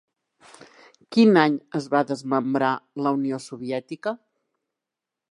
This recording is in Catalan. Quin any es va desmembrar la Unió Soviètica?